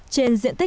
trên diện tích hai